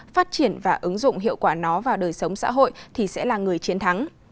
phát triển và ứng dụng hiệu quả nó vào đời sống xã hội thì sẽ là người chiến thắng